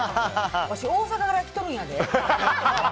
私、大阪から来とるんやで。